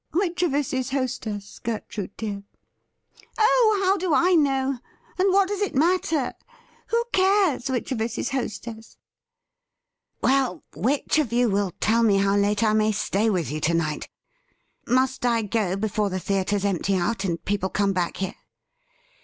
Which of us is hostess, Gertrude dear ?''' Oh, how do I know, and what does it matter ? Who cares which of us is hostess .?'' Well, which of you will tell me how late I may stay with you to night ? Must I go before the theatres empty out and people come back here